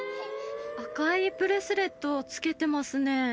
赤いブレスレットをつけてますね